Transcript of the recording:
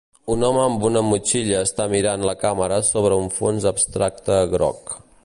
un home amb una motxilla està mirant la càmera sobre un fons abstracte groc